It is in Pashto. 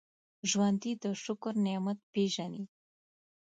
ژوندي د شکر نعمت پېژني